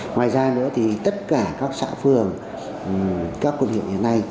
ngoài ra nữa thì tất cả các xã phường các quân hiệp như thế này